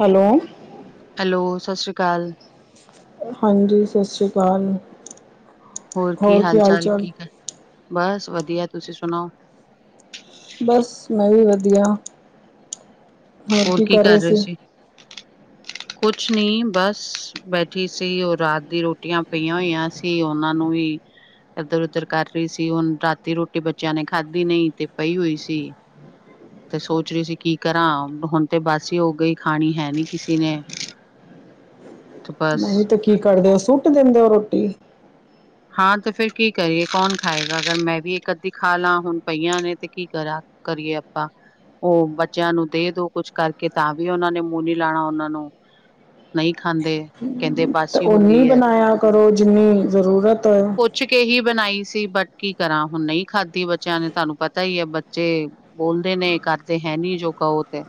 Hello. Hello, ਸਤਿ ਸ਼੍ਰੀ ਅਕਾਲ। ਹਾਂਜੀ, ਸਤਿ ਸ਼੍ਰੀ ਅਕਾਲ। ਹੋਰ ਕੀ ਹਾਲ ਚਾਲ? ਕੀ ਕਰ ਦੇ? ਬਸ ਵਧੀਆ ਤੁਸੀਂ ਸੁਣਾਓ! ਬਸ, ਮੈਂ ਵੀ ਵਧੀਆ, ਹੋਰ ਕੀ ਕਰ ਰਹੇ ਸੀ? ਕੁਛ ਨੀ, ਬਸ ਬੈਠੀ ਸੀ, ਉਹ ਰਾਤ ਦੀ ਰੋਟੀਆਂ ਪਈਆਂ ਹੋਈਆਂ ਸੀ ਉਹਨਾਂ ਨੂੰ ਵੀ ਇੱਧਰ ਉਧਰ ਕਰ ਰਹੀ ਸੀ, ਹੁਣ ਰਾਤੀ ਰੋਟੀ ਬੱਚਿਆਂ ਨੇ ਖਾਧੀ ਨਹੀਂ ਤੇ ਪਈ ਹੋਈ ਸੀ। ਤੇ ਸੋਚ ਰਹੀ ਸੀ ਕੀ ਕਰਾਂ? ਹੁਣ ਤੇ ਬਾਸੀ ਹੀ ਹੋ ਗਈ ਖਾਣੀ ਹੈ ਨੀ ਕਿਸੇ ਨੇ। ਤੇ ਬਸ ਨਹੀਂ ਤੇ ਕੀ ਕਰਦੇ ਓ ਸੁੂੱਟ ਦਿੰਦੇ ਹੋ ਰੋਟੀ? [inaudible] ਹਾਂ ਤੇ ਫੇਰ ਕੀ ਕਰੀਏ ਕੌਣ ਖਾਏਗਾ? ਅਗਰ ਮੈਂ ਵੀ ਇੱਕ ਅੱਧੀ ਖਾ ਲਾ, ਹੁਣ ਪਈਆਂ ਨੇ ਤੇ ਕੀ ਕਰਾਂ? ਕਰੀਏ ਆਪਾਂ ਓ ਬੱਚਿਆਂ ਨੂੰ ਦੇ ਦੋ ਕੁਛ ਕਰਕੇ, ਤਾਂ ਵੀ ਓਨਾਂ ਨੇ ਮੂੰ ਨੀ ਲਾਣਾ ਓਨਾਂ ਨੂੰ। ਨਈ ਖਾਂਦੇ। ਕੈਂਦੇ ਬਚ ਤੇ ਓਨੀ ਬਣਾਇਆ ਕਰੋ ਜਿੰਨੀ ਜ਼ਰੂਰਤ ਏ। ਪੁਛ ਕੇ ਈ ਬਣਾਈ ਸੀ, ਬਟ ਕੀ ਕਰਾਂ ਹੁਣ ਨ‌ਈ ਖਾਧੀ ਬੱਚਿਆਂ ਨੇ। ਤਾਨੂੰ ਪਤਾ ਈ ਐ ਬੱਚੇ ਬੋਲਦੇ ਨੇ ਕਰਦੇ ਹੈ ਨੀ ਜੋ ਕ‌ਓ ਤੇ,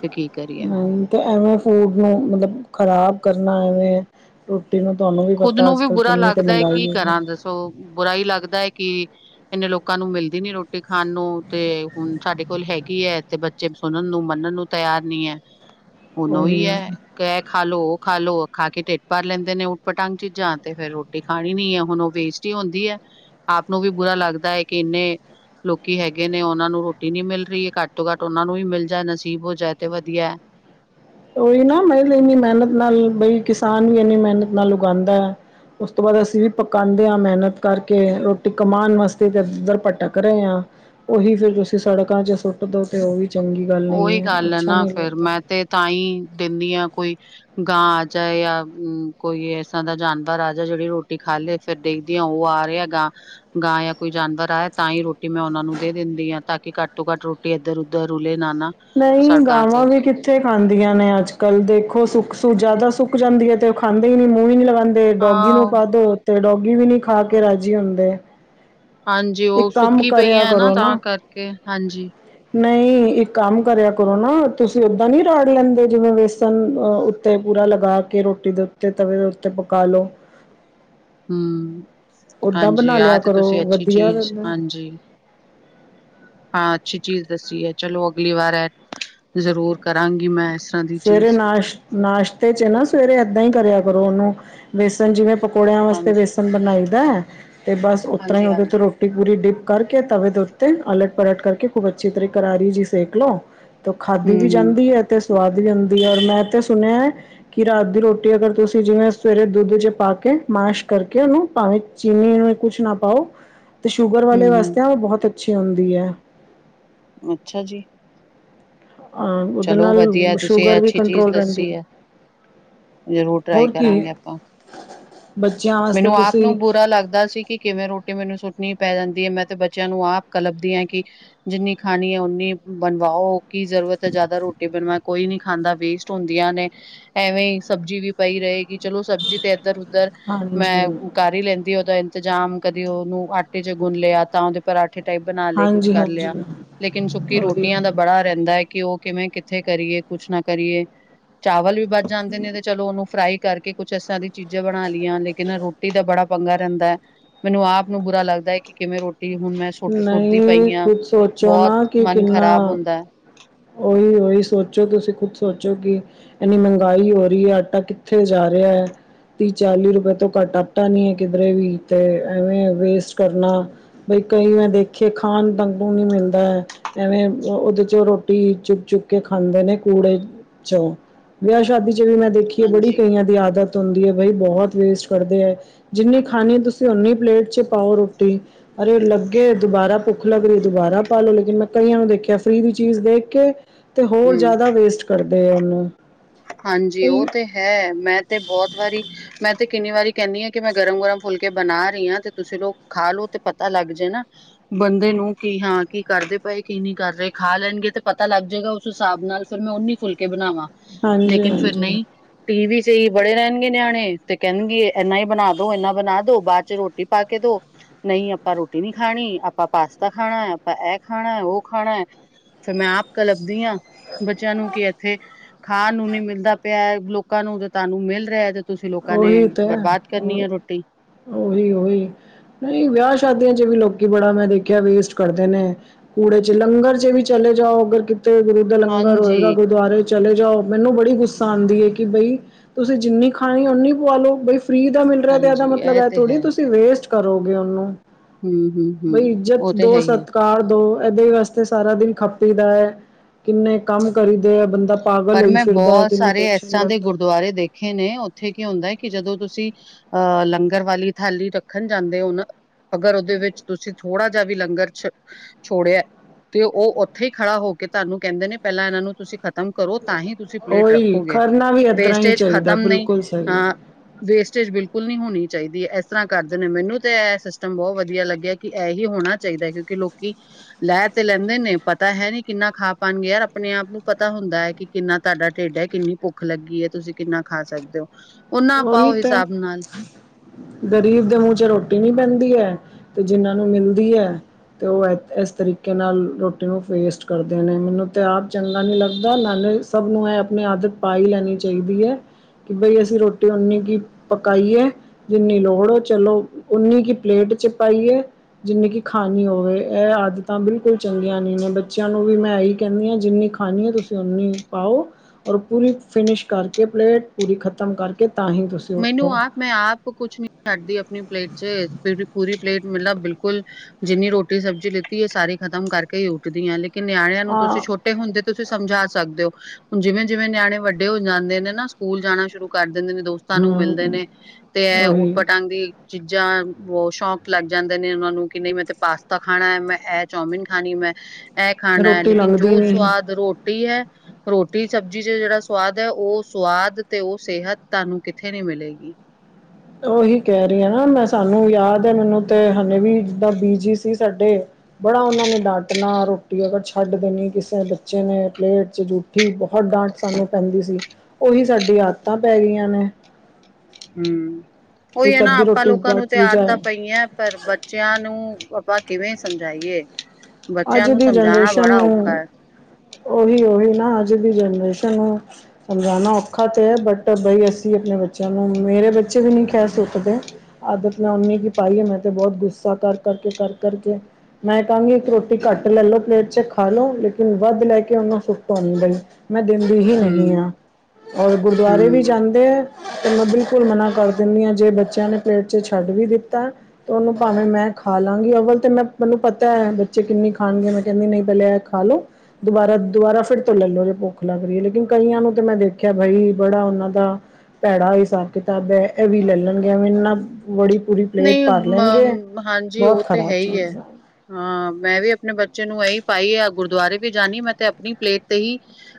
ਫੈ ਕੀ। ਕਰੀਏ ਹ ਤੇ ਐਵੇਂ ਫੂਡ ਨੂੰ ਮਤਲਬ ਖ਼ਰਾਬ ਕਰਨਾ ਐਵੇਂ ਰੋਟੀ ਨੂੰ ਤੁਆਨੂੰ ਵੀ ਪਤਾ ਅੱਜ ਕੱਲ ਕਿੰਨੀ ਕੀ ਮੰਗਾਈ ਏਨੀ। ਕਰਾਂ ਦੱਸੋ ਸੋ ਬੁਰਾ ਈ ਲੱਗਦਾ ਐ ਕੀ ਏਨੇ ਲੋਕਾਂ ਨੂੰ ਮਿਲਦੀ ਨੀ ਰੋਟੀ ਖਾਣ ਨੂੰ, ਤੇ ਹੁਣ ਸਾਡੇ ਕੋਲ ਹੈਗੀ ਐ ਤੇ ਬਚ ਚੇ ਸੁਣਨ ਨੂੰ ਮੰਨਣ ਨੂੰ ਤਿਆਰ ਨੀ ਐ। ਹੁਣ ਉਹੀ ਓਈ ਐ ਆ ਕਿ ਐ ਖਾ ਲੋੋ ਓ ਖਾ ਲੋ, ਖਾ ਕੇ ਢਿੱਡ ਭਰ ਲੈਂਦੇ ਨੇ ਓ। ਪਟੰਗ ਚੀਜ਼ਾਂ ਤੇ ਫੇਰ ਰੋਟੀ ਖਾਣੀ ਨੀ ਐ, ਹੁਣ ਓ ਵੇਸਟ ਈ ਹੁੰਦੀ ਐ। ਆਪ ਨੂੰ ਵੀ ਬੁਰਾ ਲੱਗਦਾ ਐ ਕਿ ਇੰਨੇ ਲੋਕੀ ਹੈਗੇ ਨੇ, ਓਨਾਂ ਨੂੰ ਰੋਟੀ ਨੀ ਮਿਲ ਰੀ। ਘੱਟ ਤੋਂ ਘੱਟ ਓਨਾ ਨੂੰ ਵੀ ਮਿਲ ਜਾਏ, ਨਸੀਬ ਹੋ ਜਾਏ ਤੇ ਵਧੀਆ। ਓਈ ਨਾ ਮ ਲਈ ਇੰਨੀ ਮੈਨਤ ਨਾਲ, ਬਈ ਕਿਸਾਨ ਵੀ ਐਨੀ ਮੈਨਤ ਨਾਲ ਉਗਾਂਦਾ ਐ। ਉਸ ਤੋਂ ਬਾਦ ਅਸੀਂ ਵੀ ਪਕਾਂਦੇ ਆਂ ਮੈਨਤ ਕਰਕੇ, ਰੋਟੀ ਕਮਾਣ ਵਾਸਤੇ ਤੇ ਏਧ ਓਧਰ ਭਟਕ ਰ‌ਏ ਆਂ। ਓਹੀ ਫੇਰ ਤੁਸੀਂ ਸੜਕਾਂ 'ਚ ਸੁੱਟ ਦੋ ਤੇ ਓ ਵੀ ਚੰਗੀ ਗੱਲ ਨ‌ਈ ਉਹੀ ਐ। ਗੱਲ ਹੈ ਅੱਛਾ ਨਾ ਨਈ ਫੇਰ ਲੱਗਦਾ। ਮੈਂ ਤੇ ਤਾਂਈਂ ਦਿੰਨੀ ਆਂ ਕੋਈ ਗਾ ਚਾਏ ਆ ਕੋਈ ਏਸਰਾਂ ਦਾ ਜਾਨਵਰ ਆ ਜਾਏ ਜੜੀ ਰੋਟੀ ਖਾ ਲੇ। ਫੇਰ ਦੇਖਦੀ ਆਂ, ਓ ਆ ਰਿਆ ਹੈਗਾ। ਗਾਂ ਜਾਂ ਕੋਈ ਜਾਨਵਰ ਆਏ ਤਾਂ ਈ ਰੋਟੀ ਮੈਂ ਓਨਾ ਨੂੰ ਦੇ ਦਿੰਦੀ ਆ। ਤਾਂ ਕੀ ਘੱਟੋ ਤੋਂ ਘੱਟ ਰੋਟੀ ਏਧਰ ਉੱਧਰ ਰੁਲ ਲੇ ਨਾਨਾ। ਨਈ ਗਾਂਵਾਂ ਵੀ ਕਿਥ ਕਿੱਥੇ ਖਾਂਦੀਆਂ ਨੇ ਅੱਜ-ਕੱਲ, ਦੇਖੋ ਸੁੱਕ ਸੁ ਜਾਦਾ ਸੁੱਕ ਜਾਂਦੀ ਏ। ਤੇ ਓ ਖਾਂਦੇ ਨੀ ਮੂੰ ਈ ਨੀ ਲਗਾਦ- ਤੇ ਡੋਗੀ ਨੂੰ ਹਾਂ ਪਾ ਦੋ ਤੇ ਡੋਗੀ ਵੀ ਨੀ ਖਾ ਕੇ ਰਾਜੀ ਹੁੰਦੇ। ਹਾਂਜੀ- ਓ ਇੱਕ ਕੰਮ ਸੁੱਕੀ ਪਈ ਕਰਿਆ ਐ ਨਾ ਤਾਂ ਕਰਕੇ ਹਾਂਜੀ। ਨਈ। ਇਕ ਕੰਮ ਕਰਿਆ ਕਰੋ ਨਾ। ਤੁਸੀਂ ਓਦਾਂ ਨੀ ਰਾੜ ਲੈਂਦੇ, ਜਿਵੇਂ ਵੇਸਨ ਅ ਉੱਤੇ ਪੂਰਾ ਲਗਾ ਕੇ ਰੋਟੀ ਏਦੇ ਦੇ ਉੱਤੇ ਤਵੇ ਦੇ ਉੱਤੇ ਪਕਾ ਲੋ। ਹੂੰ ਉੱਦਾਂ ਹਾਂਜੀ ਬਣਾ ਆ ਲਿਆ ਤੇ ਕਰੋ ਤੁਸੀਂ ਅੱਛੀ ਵਧੀਆ ਚੀਜ਼ ਰਹਿੰਦਾ ਹਾਂਜੀ। ਹਾਂ ਅੱਛੀ ਚੀਜ਼ ਦੱਸੀ ਐ, ਚਲੋ ਅਗਲੀ ਵਾਰ ਐ ਜ਼ਰੂਰ ਕਰਾਂਗੀ ਮੈਂ ਐਸ ਸਵੇਰੇ ਨਾਸ਼ ਨਾਸ਼ਤੇ, 'ਚ ਨਾ ਸਵੇਰੇ ਏਦਾਂ ਈ ਕਰਿਆ ਕਰੋ ਓਨੂੰ ਵੇਸਨ ਜਿਵੇਂ ਪਕੌੜਿਆਂ ਵਾਸਤੇ ਹਾਂਜੀ ਬੇਸਣ ਬਣਾਈ ਦਾ ਤੇ ਬਸ ਓਅ ਤਰ੍ਹਾਂ ਈ ਓਦੇ ਤੋਂ ਹਾਂਜੀ-ਹਾਂਜੀ, ਰੋਟੀ ਪੂਰੀ ਡਿਪ ਕਰਕੇ, ਤਵੇ ਦੇ ਉੱਤੇ ਅਲਟ ਪਲਟ ਕਰਕੇ ਖੂਬ ਅੱਛੀ ਤਰ੍ਹਾਂ ਕਰਾਰੀ ਜੀ ਸੇਕ ਲੋੋ। ਤੋ ਖਾਦੀ ਵੀ ਹੂੰ-ਹੂੰ, ਜਾਂਦੀ ਐ ਤੇ ਸਵਾਦ ਵੀ ਉਂਦੀ ਐ ਔਰ ਮੈਂ ਤੇ ਸੁਣਿਐ ਕੀ ਰਾਤ ਦੀ ਰੋਟੀ ਅਗਰ ਤੁਸੀਂ ਜਿਵੇਂ ਸਵੇਰੇ ਦੁੱਧ 'ਚ ਪਾ ਕੇ ਮੈਂਸ਼ ਕਰਕੇ ਓਨੂੰ ਭਾਵੇਂ ਚੀਨੀ ਵੀ ਕੁਛ ਨਾ ਪਾਓ। ਤੇ ਸ਼ੂਗਰ ਵਾਲੇ ਹੂੰ-ਹੂੰ, ਵਾਸਤੇ ਓ ਬਹੁਤ ਅੱਛੀ ਹੁੰਦੀ ਐ। ਅੱਛਾ ਜੀ। ਅ ਉਹਦੇ ਚੱਲੋ ਨਾਲ ਵਧੀਆ ਤੁਸੀਂ ਐ ਸ਼ੂਗਰ ਵੀ ਅੱਛੀ ਚੀਜ਼ ਕੰਟਰੋਲ ਰਹਿੰਦੀ ਦੱਸੀ ਹੈ। ਐ। ਜ਼ਰੂਰ ਟਰਾਈ ਹੋਰ ਕੀ ਕਰਾਂਗੇ ਆਪਾਂ। ਬੱਚਿਆਂ ਵਾਸਤੇ ਮੈਨੂੰ ਆਪ ਤੁਸੀਂ ਨੂੰ ਬੁਰਾ ਲੱਗਦਾ ਸੀ ਕਿ ਕਿਵੇਂ ਰੋਟ ਕਿ ਮੈਨੂੰ ਸੁੱਟਣੀ ਪੈ ਜਾਂਦੀ ਐ ਮੈਂ ਤੇ ਬੱਚਿਆਂ ਨੂੰ ਆਪ ਕਲੱਬਦੀ ਆ ਕੀ ਜਿੰਨੀ ਖਾਣੀ ਐ ਓਨੀ ਬਣਵਾਓ ਕੀ ਜ਼ਰੂਰਤ ਤੇ ਜ਼ਿਆਦਾ ਰੋਟੀ ਬਣਵਾ ਕੋਈ ਨੀ ਖਾਂਦਾ ਵੇਸਟ ਹੁੰਦੀਆਂ ਨੇ। ਐਵੇਂ ਈ ਸਬਜ਼ੀ ਵੀ ਪਈ ਰਹੇਗੀ, ਚਲੋ ਸਬਜ਼ੀ ਤੇ ਏਧਰ-ਉਧਰ ਹਾਂਜੀ ਮੈਂ ਕਰ ਈ ਲੈਂਦੀ ਉਹਦਾ ਇੰਤਜ਼ਾਮ ਕਦੀ ਉਹਨੂੰ ਆਟੇ ਚ ਗੁੰਨ ਲਿਆ ਤਾਂ ਉਹਦੇ ਪਰਾਂਠੇ ਟਾਈਪ ਬਣਾ ਲਏ ਕੁਛ ਹਾਂਜੀ ਕਰ ਹਾਂਜੀ ਲਿਆ। ਲੇਕਿਨ ਸੁੱਕੀ ਉਹੀ ਰੋਟੀਆਂ ਦਾ ਬੜਾ ਰਹਿੰਦਾ ਏ ਕਿਓ, ਕਿਵੇਂ, ਕਿੱਥੇ ਕਰੀਏ, ਕੁਛ ਨਾ ਕਰੀਏ, ਚਾਵਲ ਵੀ ਬਚ ਜਾਂਦੇ ਨੇ ਤੇ ਚਲੋ ਉਹਨੂੰ ਫਰਾਈ ਕਰਕੇ ਕੁਛ ਇਸ ਤਰ੍ਹਾਂ ਦੀ ਚੀਜ਼ਾਂ ਬਣਾ ਲਈਆਂ, ਲੇਕਿਨ ਰੋਟੀ ਰੋਟੀ ਦਾ ਬੜਾ ਪੰਗਾ ਰਹਿੰਦਾ, ਮੈਨੂੰ ਆਪ ਨੂੰ ਬੁਰਾ ਲੱਗਦਾ ਕਿ ਕਿਵੇਂ ਰੋਟੀ ਹੁਣ ਮੈਂ ਸੁੱਟ ਸੁੱਟਦੀ ਨਈ ਪਈ ਹਾਂ। ਕੁਛ ਸੋਚੋ ਬਹੁਤ ਨਾ ਕਿ ਮਨ ਕਿੰਨਾ ਖ਼ਰਾਬ ਹੁੰਦਾ ਹੈ ਓਹੀ- ਓਹੀ ਸੋਚੋ ਤੁਸੀਂ ਖੁਦ ਸੋਚੋ ਕਿ ਐਨੀ ਮਹਗਾਈ ਹੋ ਰਹੀ ਏ ਆਟਾ ਕਿੱਥੇ ਜਾ ਰਿਹਾ ਐ। ਤੀਹ-ਚਾਲੀ ਰੁਪਏ ਤੋਂ ਘੱਟ ਆਟਾ ਨਈ ਕਿਧਰੇ ਵੀ ਤੇ ਐਵੇਂ ਵੇਸਟ ਕਰਨਾ। ਬਈ ਕਈ ਮੈ ਦੇਖੇ ਖਾਣ ਡੰਗ ਨੂੰ ਨੀ ਮਿਲਦਾ ਐ। ਐਵੇਂ ਉਹਦੇ ਚੋਂ ਰੋਟੀ ਚੁੱਕ- ਚੁੱਕ ਕੇ ਖਾਂਦੇ ਨੇ ਕੂੜੇ ਚੋ, ਵਿਆਹ ਸ਼ਾਦੀ ਚ ਵੀ ਮੈਂ ਦੇਖੀਏ ਬੜੀ ਹਾਂਜੀ। ਕਈਆਂ ਦੀ ਆਦਤ ਹੁੰਦੀ ਹੈ ਬਾਈ ਬਹੁਤ ਵੇਸਟ ਕਰਦੇ ਐ ਜਿੰਨੀ ਖਾਣੀ ਤੁਸੀਂ ਓਨੀ ਪਲੇਟ ਚ ਪਾਓ ਰੋਟੀ ਅਰੇ ਲੱਗ ਗੇ, ਦੁਬਾਰਾ ਭੁੱਖ ਲੱਗ ਰਹੀ ਦੁਬਾਰਾ ਪਾ ਲਉ ਲੇਕਿਨ ਮੈਂ ਕਈਆਂ ਨੂੰ ਦੇਖਿਆ ਫਰੀ ਦੀ ਚੀਜ਼ ਦੇਖ ਕੇ ਤੇ ਹੋਰ ਹਮ ਜ਼ਿਆਦਾ ਵੇਸਟ ਕਰਦੇ ਐ ਉਨੂੰ ਹਾਂਜੀ ਓਹ ਤੇ ਹੈ ਮੈਂ ਤੇ ਬਹੁਤ ਵਾਰੀ ਮੈਂ ਤੇ ਕਿੰਨੀ ਵਾਰੀ ਕਹਿਨੀ ਐ ਕਿ ਮੈਂ ਗਰਮ-ਗਰਮ ਫੁਲਕੇ ਬਣਾ ਰਹੀ ਆ ਤੇ ਤੁਸੀਂ ਲੋ ਖਾ ਲਓ ਤੇ ਪਤਾ ਲੱਗ ਜੇ ਨਾ ਬੰਦੇ ਨੂੰ ਕੀ ਹਾਂ ਕੀ ਕਰਦੇ ਪਏ ਕੀ ਨਹੀਂ ਕਰ ਰਹੇ, ਖਾ ਲੈਣਗੇ ਤੇ ਪਤਾ ਲੱਗ ਜਾਏਗਾ ਉਸ ਹਿਸਾਬ ਨਾਲ ਫਿਰ ਮੈਂ ਉਨੀ ਫੁਲਕੇ ਬਣਾਵਾਂ, ਹਾਂਜੀ ਲੇਕਿਨ ਫਿਰ ਹਾਂਜੀ ਨਈ ਟੀ ਵੀ ਚ ਈ ਬੜੇ ਰਹਿਣਗੇ ਨਿਆਣੇ ਤੇ ਕਹਿਣਗੇ ਇੰਨਾ ਹੀ ਬਣਾ ਦੋ, ਇੰਨਾ ਬਣਾ ਦੋ ਬਾਅਦ ਚ ਰੋਟੀ ਪਾ ਕੇ ਦੋ ਨਈ ਆਪਾਂ ਰੋਟੀ ਨੀ ਖਾਣੀ ਆਪਾਂ ਪਾਸਤਾ ਖਾਣਾ ਆਪਾਂ ਐਹ ਖਾਣਾ, ਓਹ ਖਾਣਾ ਐ। ਫੇਰ ਮੈਂ ਆਪ ਕਲੱਪਦੀ ਆ। ਬੱਚਿਆਂ ਨੂੰ ਕਿ ਇੱਥੇ ਖਾਣ ਨੂੰ ਨੀ ਮਿਲਦਾ ਪਿਆ ਲੋਕਾਂ ਨੂੰ ਤੇ ਤੁਹਾਨੂੰ ਮਿਲ ਰਿਹਾ ਤੇ ਤੁਸੀਂ ਲੋਕਾਂ ਨੇ ਬਰਬਾਦ ਕਰਨੀ ਐ ਰੋਟੀ। ਉਹੀ-ਉਹੀ ਨਈ ਵਿਆਹ ਸ਼ਾਦੀਆਂ ਚ ਵੀ ਲੋਕੀ ਬੜਾ ਮੈਂ ਦੇਖਿਆ ਵੇਸਟ ਕਰਦੇ ਨੇ ਕੂੜੇ ਚ ਲੰਗਰ ਚ ਵੀ ਚਲੇ ਜਾਓ ਅਗਰ ਕਿਤੇ ਗੁਰੂ ਦਾ ਲੰਗਰ ਹਾਂਜੀ ਹੋਏਗਾ ਗੁਰਦੁਆਰੇ ਚਲੇ ਜਾਓ ਮੈਨੂੰ ਬੜੀ ਗੁੱਸਾ ਆਦੀ ਐ, ਕਿ ਬਈ ਤੁਸੀਂ ਜਿੰਨੀ ਖਾਣੀ ਉਨੀ ਪਆ ਲੋ ਬਈ ਫਰੀ ਦਾ ਮਿਲ ਰਿਹਾ ਤੇ ਇਹਦਾ ਹਾਂਜੀ ਮਤਲਬ ਇਹ ਐ ਤੇ ਥੋੜ੍ਹੀ ਹੈ ਤੁਸੀਂ ਵੇਸਟ ਕਰੋਗੇ ਉਹਨੂੰ ਹਮ ਹਮ ਹਮ ਬਈ ਉਹ ਇੱਜ਼ਤ ਤੇ ਦੋ ਹੈ ਹੀ ਹੈ ਸਤ -ਕਾਰ ਦੋ ਇਹਦੇ ਵਾਸਤੇ ਸਾਰਾ ਦਿਨ ਖੱਪੀਦਾ ਐ ਕਿੰਨੇ ਕੰਮ ਕਰੀਦੇ ਐ ਬੰਦਾ ਪਾਗਲ ਹੋਈ ਫਿਰਦਾ ਐ, ਕਿੰਨੀ ਟੈਨਸ਼ਨ ਲੈਂਦਾ। ਗੁਰੂਦੁਆਰੇ ਦੇਖੇ ਨੇ ਉੱਥੇ ਕੀ ਹੁੰਦਾ ਕਿ ਜਦੋਂ ਤੁਸੀਂ ਅਹ ਲੰਗਰ ਵਾਲੀ ਥਾਲੀ ਰੱਖਣ ਜਾਂਦੇ ਹੋ ਨਾ ਅਗਰ ਉਹਦੇ ਵਿੱਚ ਤੁਸੀਂ ਥੋੜਾ ਜਿਹਾ ਵੀ ਲੰਗਰ ਛ ਛੋੜਿਆ ਤੇ ਉਹ ਉੱਥੇ ਹੀ ਖੜਾ ਹੋ ਕੇ ਤੁਹਾਨੂੰ ਕਹਿੰਦੇ ਨੇ ਪਹਿਲਾਂ ਇਹਨਾਂ ਨੂੰ ਤੁਸੀਂ ਖ਼ਤਮ ਕਰੋ ਤਾਂ ਹੀ ਤੁਸੀਂ ਪਲੇਟ ਉਹੀ ਰੱਖੋਗੇ, ਕਰਨਾ ਵੀ ਏਦਾਂ ਹੀ ਵੇਸਟੇਜ ਚਾਹੀਦਾ ਖਤਮ ਨਈ ਬਿਲਕੁਲ ਸਹੀ ਆ ਅਹ ਵੇਸਟੇਜ ਬਿਲਕੁਲ ਨਈ ਹੋਣੀ ਚਾਈਦੀ ਐ, ਇਸ ਤਰ੍ਹਾਂ ਕਰਦੇ ਨੇ ਮੈਨੂੰ ਤੇ ਇਹ ਸਿਸਟਮ ਬੋਤ ਵਧੀਆ ਲੱਗਿਆ। ਕਿ ਇਹੀ ਹੋਣਾ ਚਾਈਦਾ ਕਿਉਂਕਿ ਲੋਕੀ ਲੈ ਤੇ ਲੈਂਦੇ ਨੇ ਪਤਾ ਹੈ ਨੀ ਕਿੰਨਾ ਖਾ ਪਾਣਗੇ ਯਾਰ ਆਪਣੇ ਆਪ ਨੂੰ ਪਤਾ ਹੁੰਦਾ ਹੈ ਕਿ ਕਿੰਨਾ ਤੁਹਾਡਾ ਢਿੱਡ ਹੈ ਕਿੰਨੀ ਭੁੱਖ ਲੱਗੀ ਹੈ ਤੁਸੀਂ ਕਿੰਨਾ ਖਾ ਸਕਦੇ ਹੋ ਉਹਨਾਂ ਉਹੀ ਪਾਓ ਤਾਂ ਹਿਸਾਬ ਨਾਲ ਗਰੀਬ ਦੇ ਮੂੰਹ ਚ ਰੋਟੀ ਨੀ ਪੈਂਦੀ ਹੈ ਤੇ ਜਿੰਨ੍ਹਾਂ ਨੂੰ ਮਿਲਦੀ ਹੈ ਤੇ ਉਹ ਇਸ ਤਰੀਕੇ ਨਾਲ ਰੋਟੀ ਨੂੰ ਵੇਸਟ ਕਰਦੇ ਨੇ ਮੈਨੂੰ ਤੇ ਆਪ ਚੰਗਾ ਨਹੀਂ ਲੱਗਦਾ ਨਾਲੇ ਸਭ ਨੂੰ ਇਹ ਆਪਣੀ ਆਦਤ ਪਾ ਹੀ ਲੈਣੀ ਚਾਹੀਦੀ ਹੈ ਕਿ [unintelligible] ਅਸੀਂ ਰੋਟੀ ਅਤੇ ਉਨੀੇ ਪਕਾਈਏ ਜਿੰਨੀ ਲੋੜ ਹੋ ਚਲੋ ਉਨੀ ਕੀ ਪਲੇਟ ਚ ਪਾਈਏ ਜਿੰਨੀ ਕਿ ਖਾਣੀ ਹੋਵੇ ਇਹ ਆਦਤਾਂ ਬਿਲਕੁਲ ਚੰਗੀਆਂ ਨਹੀਂ ਨੇ ਬੱਚਿਆਂ ਨੂੰ ਵੀ ਮੈਂ ਇਹੀ ਕਹਿੰਦੀ ਹਾਂ ਜਿੰਨੀ ਖਾਣੀ ਹੈ ਤੁਸੀਂ ਓਨੀ ਪਾਓ ਔਰ ਪੂਰੀ ਫਿਨਿਸ਼ ਕਰਕੇ ਪਲੇਟ ਪੂਰੀ ਖ਼ਤਮ ਕਰਕੇ ਕਿ ਤਾਂ ਹੀ ਤੁਸੀਂ ਮੈਨੂੰ ਉੱਠੋ ਆਪ ਮੈਂ ਆਪ ਕੁਛ ਨਹੀਂ ਛੱਡਦੀ ਆਪਣੀ ਪਲੇਟ ਚ ਪੂਰੀ ਪਲੇਟ ਮਤਲਬ ਬਿਲਕੁਲ ਜਿੰਨੀ ਰੋਟੀ ਸਬਜ਼ੀ ਲਿੱਤੀ ਹੈ ਸਾਰੀ ਖ਼ਤਮ ਕਰਕੇ ਹੀ ਉੱਠਦੀ ਆ ਲੇਕਿਨ ਨਿਆਣਿਆਂ ਨੂੰ ਤੁਸੀਂ ਆ ਛੋਟੇ ਛੌਟੇ ਹੁੰਦੇ ਤੁਸੀਂ ਸਮਝਾ ਸਕਦੇ ਹੋ ਹੁਣ ਜਿਵੇਂ ਜਿਵੇਂ ਨਿਆਣੇ ਵੱਡੇ ਹੋ ਜਾਂਦੇ ਨੇ ਨਾ ਸਕੂਲ ਜਾਣਾ ਸ਼ੁਰੂ ਕਰ ਦਿੰਦੇ ਨੇ ਦੋਸਤ ਸਾਨੂੰ ਮਿਲਦੇ ਹੂੰ, ਨੇ ਤੇ ਇਹ ਉਟ ਉਹੀ ਪਟੰਗ ਦੀ ਚੀਜ਼ਾਂ ਬਹੁਤ ਸ਼ੌਂਕ ਲੱਗ ਜਾਂਦੇ ਨੇ ਉਹਨਾਂ ਨੂੰ ਕਿ ਨਹੀਂ ਮੈਂ ਤੇ ਪਾਸਤਾ ਖਾਣਾ ਹੈ ਮੈਂ ਇਹ ਰਾਮਿਨ ਖਾਣੀਂ ਮੈਂ ਇਹ ਖਾਣਾ ਹੈ ਰੋਟੀ ਲੇਕਿਨ ਲੰਘਦੀ ਜੋ ਨੀ। ਸਵਾਦ ਰੋਟੀ ਰੋਟੀ ਹੈ ਰੋਟੀ ਸਬਜ਼ੀ ਚ ਜਿਹੜਾ ਸਵਾਦ ਹੈ ਉਹ ਸਵਾਦ ਤੇ ਉਹ ਸਿਹਤ ਤੁਹਾਨੂੰ ਕਿੱਥੇ ਨਹੀਂ ਮਿਲੇਗੀ ਉਹੀ ਕਹਿ ਰਹੀ ਹ ਨਾ ਮੈਂ ਸਾਨੂੰ ਯਾਦ ਹੈ ਮੈਨੂੰ ਤੇ ਹੇ ਵੀ ਜਿੱਦਾਂ ਬੀਜੀ ਸੀ ਸਾਡੇ ਬੜਾ ਉਹਨਾਂ ਨੇ ਡਾਟਣਾ ਰੋਟੀ ਅਗਰ ਛੱਡ ਦੇਣੀ ਕਿਸੇ ਬੱਚੇ ਨੇ ਪਲੇਟ ਚ ਜੂ ਠੀ ਬਹੁਤ ਡਾਂਟ ਸਾਨੂੰ ਪੈਂਦੀ ਸੀ ਉਹੀ ਸਾਡੀ ਆਦਤਾਂ ਪੈ ਗਈਆਂ ਨੇ ਹਮ ਉਹੀ ਹੈ ਇੱਕ ਨਾ ਅੱਧੀ ਆਪਾਂ ਰੋਟੀ ਲੋਕਾਂ ਬਾਅਦ ਨੂੰ ਚ ਤੇ ਵੀ ਆਦਤਾਂ ਜਾਏ। ਪਈਆਂ ਪਰ ਬੱਚਿਆਂ ਨੂੰ ਆਪਾਂ ਕਿਵੇਂ ਸਮਝਾਈਏ ਬੱਚਿਆਂ ਅੱਜ ਨੂੰ ਦੀ ਸਮਝਾਉਣਾ ਜਨਰੇਸ਼ਨ ਬੜਾ ਔਖਾ ਨੂੰ ਹੈ ਉਹੀ ਉਹੀ ਨਾ ਅੱਜ ਦੀ ਜਨਰੇਸ਼ਨ ਹੈ ਸਮਝਾਉਣਾ ਔਖਾ ਤਾਂ ਹੈ ਬਟ ਬਈ ਅਸੀਂ ਆਪਣੇ ਬੱਚਿਆਂ ਨੂੰ ਮੇਰੇ ਬੱਚੇ ਵੀ ਨਹੀਂ ਖਹਿ ਸੁੱਕਦੇ ਆਦਤ ਮੈਂ ਉਨੀ ਕੀ ਪਾਈ ਹੈ ਮੈਂ ਤੇ ਬਹੁਤ ਗੁੱਸਾ ਕਰ ਕਰਕੇ ਕਰ ਕਰਕੇ ਮੈਂ ਕਹਾਂਗੀ ਇੱਕ ਰੋਟੀ ਘੱਟ ਲੈ ਲੋ ਪਲੇਟ ਚ ਖਾਲੋ ਲੋ ਲੇਕਿਨ ਵੱਧ ਲੈ ਕੇ ਉਹਨੂੰ ਸੁੱਟੋ ਨੀ ਬਈ ਮੈਂ ਦਿੰਦੀ ਹੀ ਨਹੀਂ ਹੂੰ ਹਾਂ ਔਰ ਗੁਰਦੁਆਰੇ ਵੀ ਹੂੰ ਜਾਂਦੇ ਤਾਂ ਮੈਂ ਬਿਲਕੁਲ ਮਨਾ੍ਹ ਕਰ ਦਿੰਦੀ ਹਾਂ ਜੇ ਬੱਚਿਆਂ ਨੇ ਪਲੇਟ ਚ ਛੱਡ ਵੀ ਦਿੱਤਾ ਤੇ ਉਹਨੂੰ ਭਾਵੇਂ ਮੈਂ ਖਾ ਲਾਂਗੀ ਅਵਲ ਤੇ ਮੈਂ ਮੈਨੂੰ ਪਤਾ ਹੈ [unintelligible] ਕਿੰਨੀ ਖਾਣਗੇ ਮੈਂ ਕਹਿੰਦੀ ਨਹੀਂ ਪਹਿਲੇ ਇਹ ਖਾ ਲੋ ਦੁਬਾਰਾ ਦੁਬਾਰਾ ਫਿਰ ਤੋਂ ਲੈ ਲਓ ਜੇ ਭੁੱਖ ਲਗ ਰਹਿਏ ਲੇਕਿਨ ਕਈਆਂ ਨੂੰ ਤੇ ਮੈਂ ਦੇਖਿਆ ਬਾਈ ਬੜਾ ਉਹਨਾਂ ਦਾ ਭੈੜਾ ਹਿਸਾਬ ਕਿਤਾਬ ਹੈ ਇਹ ਵੀ ਲੈ ਲੈਣ ਗਿਆ ਮਨਾ ਬੜੀ ਪੂਰੀ ਪਲੇਟ ਨਹੀਂ ਭਰ ਲੈਂਗੇ ਮ ਹਾਂਜੀ ਬਹੁਤ ਉਹ ਤੇ ਖ਼ਰਾਬ ਹੀ ਚੀਜ਼ ਹੈ ਹਾਂ ਮੈਂ ਵੀ ਆਪਣੇ ਬੱਚੇ ਨੂੰ ਇਹੀ ਪਾਈ ਆ ਗੁਰਦੁਆਰੇ ਵੀ ਜਾਣੀ ਮੈਂ ਤੇ ਆਪਣੀ ਪਲੇਟ ਤੇ ਹੀ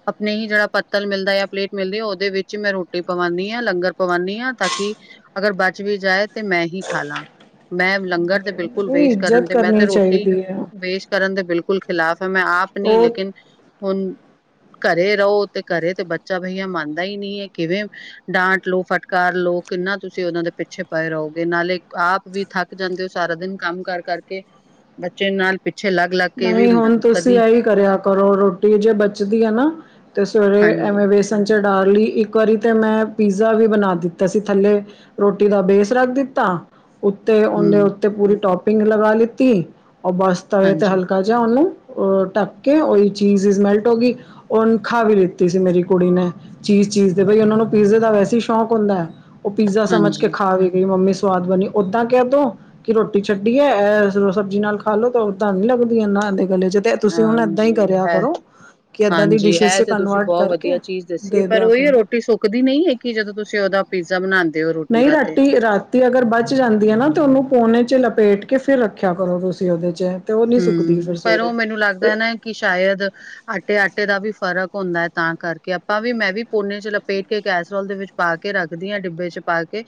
ਆਪਣੇ ਹੀ ਜਿਹੜਾ ਪੱਤਲ ਮਿਲਦਾ ਜਾਂ ਪਲੇਟ ਮਿਲਦੀ ਉਹਦੇ ਵਿੱਚ ਮੈਂ ਰੋਟੀ ਪਵਾਉਂਦੀ ਹਾਂ ਲੰਗਰ ਪਵਾਉਂਦੀ ਹਾਂ ਤਾਂ ਕਿ। ਅਗਰ ਬਚ ਵੀ ਜਾਏ ਤੇ ਮੈਂ ਹੀ। ਖਾ ਲਾ ਮੈਂ ਲੰਗਰ ਤੇ ਬਿਲਕੁਲ ਨਹੀਂ ਵੇਸਟ ਕਰਨ ਇੱਜ਼ਤ ਤੇ ਮੈਂ ਤੇ ਕਰਨੀ ਰੋਟੀ। ਚਾਹੀਦੀ ਹੈ ਵੇਸਟ ਕਰਨ ਦੇ ਬਿਲਕੁਲ ਖਿਲਾਫ਼ ਹੈ ਮੈਂ ਆਪ ਨਹੀਂ ਉਹ ਲੇਕਿਨ ਹੁਣ। ਘਰੇ ਰਹੋ ਤੇ ਘਰੇ ਤੇ ਬੱਚਾ ਬਈਆ ਮੰਨਦਾ ਹੀ ਨਹੀ ਹੈ ਕਿਵੇਂ ਡਾਂਟ ਲਓ ਫਟਕਾਰ ਲੋਓ ਕਿੰਨਾ ਤੁਸੀਂ ਉਹਨਾਂ ਦੇ ਪਿੱਛੇ ਪਾਏ ਰਹੋਗੇ ਨਾਲੇ। ਆਪ ਵੀ ਥੱਕ ਜਾਂਦੇ ਹੋ ਸਾਰਾ ਦਿਨ ਕੰਮ ਕਰ ਕਰਕੇ ਬੱਚੇ ਨਾਲ। ਪਿੱਛੇ ਲੱਗ-ਲੱਗ ਕੇ ਵੀ ਨਹੀਂ ਹੁਣ ਤੁਸੀਂ ਕਦੀ ਇਹੀ ਕਰਿਆ ਕਰੋ ਰੋਟੀ ਜੇ ਬਚਦੀ ਐ ਨਾ ਤੇ ਸਵੇਰੇ ਹਾਂਜੀ ਐਵੇਂ ਵੇਸਟ ਸੰਚਰ ਡਾਰ ਲਈ ਇੱਕ ਵਾਰੀ ਤਾਂ ਮੈਂ ਪੀਜ਼ਾ ਵੀ ਬਣਾ ਦਿੱਤਾ ਸੀ ਥੱਲੇ ਰੋਟੀ ਦਾ ਬੇਸ ਰੱਖ ਦਿੱਤਾ। ਉੱਤੇ ਉਨੇ ਹੂੰ ਉੱਤੇ ਪੂਰੀ ਟੋਪਿੰਗ ਲਗਾ ਲਿੱਤੀ ਓ ਬਸ ਤਵੇ ਤੇ ਹਾਂਜੀ, ਹਲਕ ਉਹਨੂੰ ਅਹ ਢੱਕ ਕੇ ਉਹੀ ਚੀਜ਼ ਇਜ਼ ਮੈਲਟ ਹੋ ਗਈ। ਉਨੇ ਖਾ ਵੀ ਲਿੱਤੀ ਸੀ ਮੇਰੀ ਕੁੜੀ ਨੇ। ਚੀਜ਼-ਚੀਜ਼ ਦੇ ਬਈ ਉਨਾਂ ਨੂੰ ਪੀਜ਼ੇ ਦਾ ਵੈਸੇ ਈ ਸ਼ੌਕ ਹੁੰਦਾ। ਓ ਪੀਜ਼ਾ ਸਮਝ ਕੇ ਹਾਂਜੀ। ਖਾ ਵੀ ਗਈ ਮੰਮੀ ਸਵਾਦ ਬਣੀ। ਓਦਾਂ ਕੈਂਦਾ ਕਿ ਰੋਟੀ ਛੱਡੀ ਐ-ਐ ਸਬਜ਼ੀ ਨਾਲ ਖਾ ਲੋ ਤਾਂ ਉਦਾਂ ਨੀ ਲੱਗਦ ਈਆਂ ਨ ਦੇ ਗਲੇ 'ਚ ਤੇ ਤੁਸੀਂ ਹੁਣ ਏਦਾਂ ਹੀ ਹਾਂਜੀ ਕਰਿਆ ਹੈ। ਕਰੋ ਕਿ ਏਦਾਂ ਦੀ ਹਾਂਜੀ ਡਿਸ਼ਿਸ ਐ ਚ ਤਾਂ ਤੁਸੀਂ ਕਨਵਰਟ ਬਹੁਤ ਕਰਕੇ ਵਧੀਆ ਚੀਜ਼ ਦੱਸੀ ਏ ਦੇ ਪਰ ਦਿਆ ਉਹੀ ਹੈ ਕਰੋ ਰੋਟੀ ਸੁੱਕਦੀ ਨਈ ਹੈਗ ਕਿ ਜਦੋਂ ਤੁਸੀਂ ਉਦਾ ਪੀਜ਼ਾ ਬਣਾਂਣੇ। ਨਈ ਰਾਤੀ ਰਾਤ ਰਾਤੀਂ ਅਗਰ ਬੱਚ ਜਾਂਦੀ ਐ ਨਾ ਤਾਂ ਉਨੂੰ ਪੋਨੇ 'ਚ ਲਪੇਟ ਕੇ ਫਿਰ ਰੱਖਿਆ ਕਰੋ ਤੁਸੀਂ ਉਦੇ 'ਚ ਤੇ ਓ ਨਈ ਸੁੱਕਦੀ ਫਿਰ ਸਵੇਰੇ ਅ ਕੀ ਸ਼ਾਇਦ ਆਟੇ-ਆਟੇ ਦਾ ਵੀ ਫਰਕ ਹੁੰਦਾ ਐ ਤਾਂ ਕਰਕੇ ਆਪਾਂ ਵੀ ਮੈਂ ਵੀ ਪੋਨੇ 'ਚ ਲਪੇਟ ਕੇ ਕੈਸਰੋਲ ਦੇ ਵਿੱਚ ਪਾ ਕੇ ਰੱਖਦੀ ਹਾਂ ਡਿੱਬੇ 'ਚ ਪਾ ਕੇ।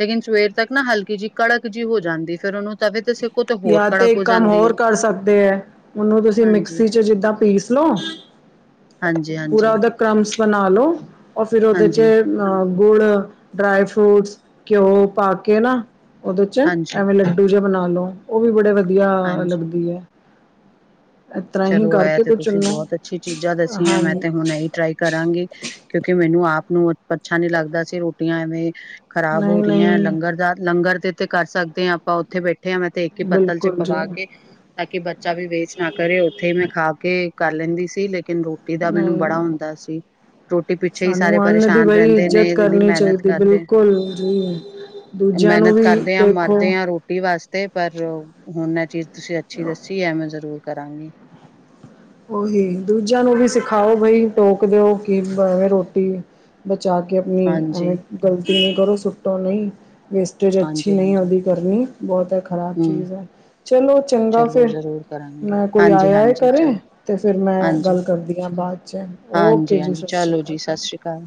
ਲੇਕਿਨ ਸਵੇਰ ਤੱਕ ਨਾ ਹਲਕੀ ਜਿਹੀ ਕੜਕ ਜਿਹੀ ਹੋ ਜਾਂਦੀ ਫੇਰ ਉਨੂੰ ਤਵੇ ਤਾਂ ਸ ਜਾਂ ਤੇ ਇੱਕ ਕੰਮ ਹੋਰ ਕਰ ਸਕਦੇ ਐ ਉਨੂੰ ਤੁਸੀਂ ਹਾਂਜੀ, ਮਿਕਸੀ 'ਚ ਜਿੱਦਾਂ ਪੀਸ ਲਓ। ਹਾਂਜੀ, ਹਾਂਜੀ। ਪੂਰਾ ਉਦਾ ਕ੍ਰਮਸ ਬਣਾ ਲੋੋ ਔਰ ਫਿਰ ਉਦੇ 'ਚ ਹਾਂਜੀ, ਅ ਗੁੜ ਡਰਾਈ ਫਰੂਟਸ ਘਿਓ ਪਾ ਕੇ ਨਾ ਉਦੇ 'ਚ ਹਾਂਜੀ, ਐਵੇਂ ਲੱਡੂ ਜਿਹੇ ਬਣਾ ਲੋ ਓ ਵੀ ਬੜੇ ਵਧੀਆ ਹਾਂਜੀ। ਲੱਗਦੀ ਏ। ਚਲੋ ਇਹ ਤੇ ਕੁਛ ਤੁਸੀਂ ਉਹਨੂੰ ਬੋਤ ਅੱਛੀ ਚੀਜ਼ਾਂ ਦੱਸੀਆਂ ਮੈਂ ਹਾਂਜੀ ਤੇ ਹੁਣੇ ਈ ਟਰਾਈ ਕਰਾਂਗੀ ਕਿਉਂਕਿ ਮੈਨੂੰ ਆਪ ਨੂੰ ਅੱਛਾ ਨੀ ਲੱਗਦਾ ਸੀ ਰੋਟੀਆਂ ਐਵੇਂ ਖਰਾਬ ਹੋ ਨਹੀਂ ਰਈ ਆਂ ਨਹੀਂ ਲੰਗਰ ਦਾ ਲੰਗਰ ਦੇ ਤੇ ਕਰ ਸਕਦੇ ਹਾਂ ਆਪਾਂ ਉੱਥੇ ਬੈਠੇ ਹਾਂ ਮੈਂ ਦੇ ਕੇ ਪੱਤਲ 'ਚ ਬਿਲਕੁਲ ਜੀ ਪਵਾ ਕੇ ਤਾਂ ਕਿ ਬੱਚਾ ਵੀ ਵੇਸਟ ਨਾ ਕਰੇ ਉੱਥੇ ਮੈਂ ਖਾ ਕੇ ਕਰ ਲੈਂਦੀ ਸੀ ਲੇਕਿਨ ਰੋਟੀ ਰੋਟੀ ਦਾ ਮੈਨੂੰ ਨਹੀਂ ਬੜਾ ਹੁੰਦਾ ਸੀ। ਰੋਟੀ ਪਿੱਛੇ ਹੀ ਸਾਰੇ ਸਾਨੂੰ ਅੰਨ ਦੀ ਪਰੇਸ਼ਾਨ ਬਈ ਰੈਂਦੇ ਨੇ ਇੱਜ਼ਤ ਇਨੀ ਕਰਨੀ ਮਿਹਨਤ ਚਾਹੀਦੀ ਕਰਦੇ। ਬਿਲਕੁਲ ਜੀ ਦੂਜਿਆਂ ਨੂੰ ਮਿਹਨਤ ਵੀ ਕਰਦੇ ਹਾਂ ਦੇਖੋ ਮਰਦੇ ਹਾਂ ਰੋਟੀ ਰੋਟੀ ਵਾਸਤੇ ਪਰ ਹੁਣ ਨਾ ਚੀਜ਼ ਤੁਸੀਂ ਅੱਛੀ ਦੱਸੀ ਐ ਮੈਂ ਜ਼ਰੂਰ ਕਰਾਂਗੀ। ਉਹੀ ਦੂਜਿਆਂ ਨੂੰ ਵੀ ਸਿਖਾਓ ਬਈ ਟੋਕ ਦਿਓ ਕਿਵੇਂ [unintelligible] ਰੋਟੀ ਬਚਾ ਕੇ ਆਪਣੀ ਹਾਂਜੀ ਐਵੇਂ ਗਲਤੀ ਨਈ ਕਰੋ ਸੁੱਟੋ ਨਈ ਵੇਸ ਅੱਛੀ ਹਾਂਜੀ ਨਈ ਹਾਂਜੀ ਉਦੀ ਕਰਨੀ ਬੋਤ ਐ ਖ਼ਰਾਬ ਹਮ ਚੀਜ਼ ਐ। ਚਲੋ ਚੰਗਾ ਚਲੋ ਫਿਰ ਜ਼ਰੂਰ ਕਰਾਂਗੀ ਮੈਂ ਕੋਈ ਹਾਂਜੀ ਆਇਆ ਹਾਂਜੀ ਕਰੇ। ਚਲੋ ਤੇ ਫਿਰ ਮੈਂ ਹਾਂਜੀ ਗੱਲ ਕਰਦੀ ਆਂ ਬਾਦ 'ਚ ਓਕੇ ਹਾਂਜੀ ਜੀ ਹਾਂਜੀ ਸਤਿ ਸ਼੍ਰੀ ਚਲੋ ਅਕਾਲ। ਜੀ ਸਤਿ ਸ਼੍ਰੀ ਅਕਾਲ।